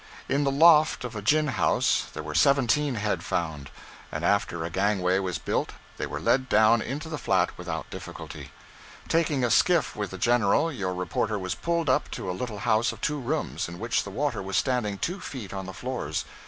In the loft of a gin house there were seventeen head found, and after a gangway was built they were led down into the flat without difficulty. Taking a skiff with the General, your reporter was pulled up to a little house of two rooms, in which the water was standing two feet on the floors.